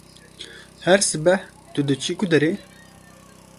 Her sibeh tu diçî ku derê?